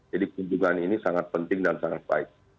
jadi kunjungan ini sangat penting dan sangat baik